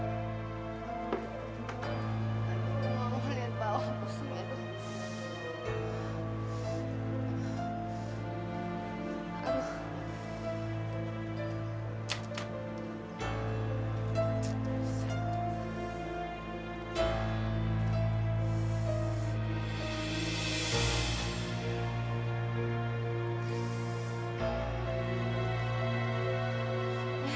aku gak mau liat bawah aku semua itu